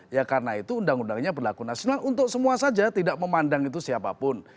ya karena itu undang undangnya berlaku nasional untuk semua saja tidak memandang itu siapapun